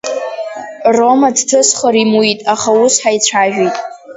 Рома дҭысхыр имуит, аха ус ҳаицәажәеит.